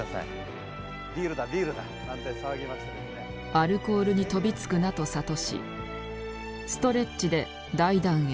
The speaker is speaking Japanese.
アルコールに飛びつくなと諭しストレッチで大団円。